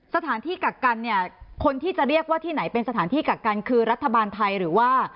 สถานที่กักกันเนี่ยคนที่จะเรียกว่าที่ไหนเป็นสถานที่กักกันคือรัฐบาลไทยหรือว่า